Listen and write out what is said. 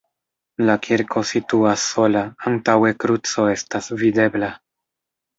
La kirko situas sola, antaŭe kruco estas videbla.